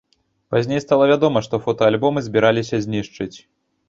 Пазней стала вядома, што фотаальбомы збіраліся знішчыць.